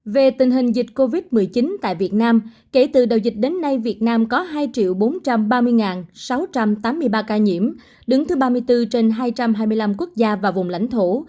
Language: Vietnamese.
về tình hình dịch covid một mươi chín tại việt nam kể từ đầu dịch đến nay việt nam có hai bốn trăm ba mươi sáu trăm tám mươi ba ca nhiễm đứng thứ ba mươi bốn trên hai trăm hai mươi năm quốc gia và vùng lãnh thổ